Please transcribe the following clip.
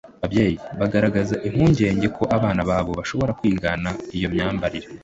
ababyeyi baragaragaza impungenge ko abana babo bashobora kwigana iyo myambarire